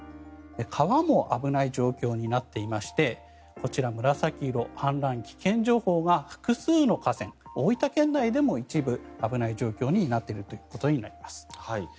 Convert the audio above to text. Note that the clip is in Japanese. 川も危ない状況になっていましてこちら、紫色氾濫危険情報が複数の河川大分県内でも一部危ない状況になっているということになります。